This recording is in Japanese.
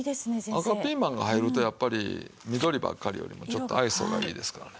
赤ピーマンが入るとやっぱり緑ばっかりよりもちょっと愛想がいいですからね。